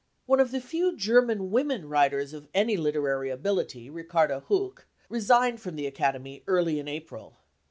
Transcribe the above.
One of the few German women writers of any literary ability, Ricarda Huch, resigned from the Academy early in April.